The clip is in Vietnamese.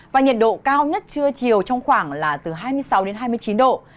và nhiệt độ cao nhất trưa chiều trong khoảng là từ hai mươi sáu đến hai mươi chín độ